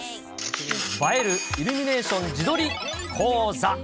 映えるイルミネーション自撮